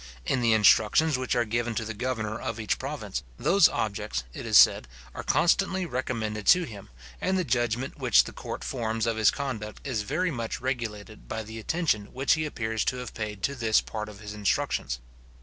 In the instructions which are given to the governor of each province, those objects, it is said, are constantly recommended to him, and the judgment which the court forms of his conduct is very much regulated by the attention which he appears to have paid to this part of his instructions.